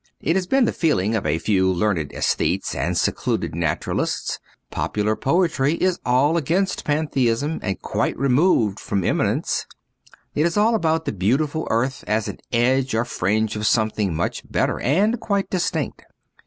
It has been the feeling of a few learned aesthetes or secluded naturalists. Popular poetry is all against Pantheism and quite removed from Immanence. It is all about the beautiful earth as an edge or fringe of something much better and quite distinct.